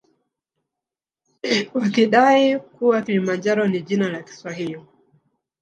Wakidai kuwa kilimanjaro ni jina la kiswahili